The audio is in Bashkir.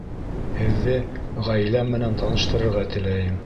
Һеҙҙе ғаиләм менән таныштырырға теләйем